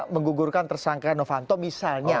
menggugurkan tersangkaian novanto misalnya